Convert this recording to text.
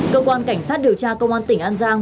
cơ quan cảnh sát điều tra công an tỉnh an giang